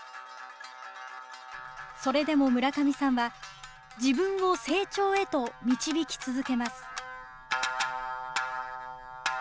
それでも村上さんは、自分を成長へと導き続けます。